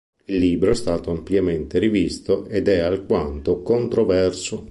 Il libro è stato ampiamente rivisto ed è alquanto controverso.